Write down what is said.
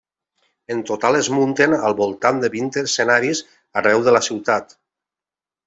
En total es munten al voltant de vint escenaris arreu de la ciutat.